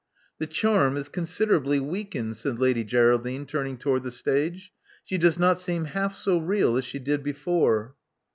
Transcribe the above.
*'The charm is considerably weakened," said Lady Geraldine, turning toward the stage. She does not seem half so real as she did before."